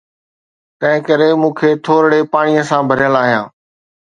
تنهن ڪري، مون کي ٿورڙي پاڻيء سان ڀريل آهيان